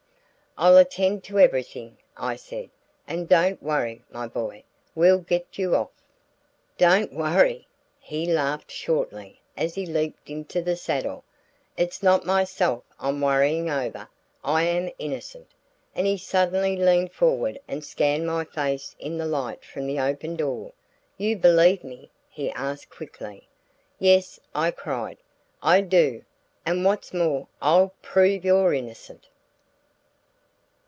"I'll attend to everything," I said, "and don't worry, my boy. We'll get you off." "Don't worry!" He laughed shortly as he leaped into the saddle. "It's not myself I'm worrying over; I am innocent," and he suddenly leaned forward and scanned my face in the light from the open door. "You believe me?" he asked quickly. "Yes," I cried, "I do! And what's more, I'll prove you're innocent."